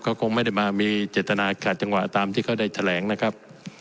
เขาคงไม่ได้มามีเจตนาขาดจังหวะตามที่เขาได้แถลงนะครับ